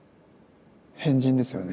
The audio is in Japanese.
変人ですよね。